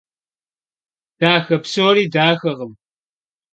Daxe psori daxekhım.